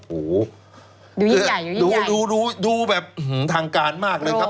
ดูยิ่งใหญ่ดูแบบทางการมากเลยครับ